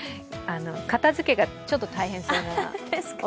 片づけが、ちょっと大変そうなお